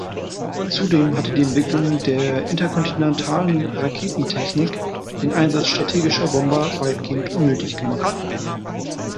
Zudem hatte die Entwicklung der interkontinentalen Raketentechnik den Einsatz strategischer Bomber weitgehend unnötig gemacht.